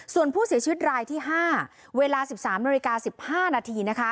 ส่วนผู้เสียชีวิตรายที่๕เวลา๑๓น๑๕น